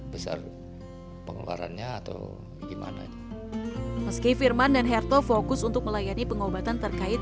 besar pengeluarannya atau gimana meski firman dan herto fokus untuk melayani pengobatan terkait